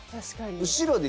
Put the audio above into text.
後ろで。